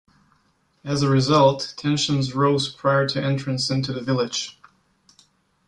As a result, tensions rose prior to entrance into the village.